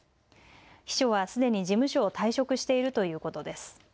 秘書はすでに事務所を退職しているということです。